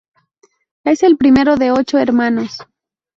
Es el primero de ocho hermanos.